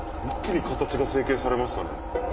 一気に形が成形されましたね。